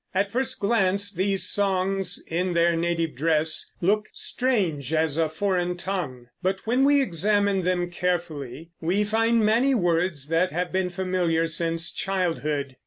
At first glance these songs in their native dress look strange as a foreign tongue; but when we examine them carefully we find many words that have been familiar since childhood.